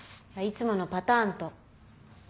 いつものパターンと。